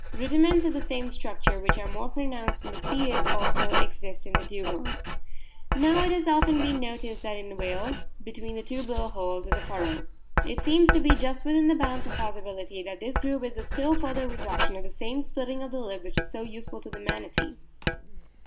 Rudiments of the same structure, which are much more pronounced in the foetus, also exist in the Dugong. Now it has often been noticed that in whales between the two blow holes is a furrow. It seems to be just within the bounds of possibility that this groove is a still further reduction of the same splitting of the lip which is so useful to the Manatee.